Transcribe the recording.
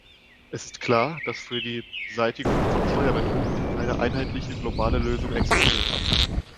Es ist klar, dass für die Beseitigung von Steuerbetrug keine einheitliche, globale Lösung existiert.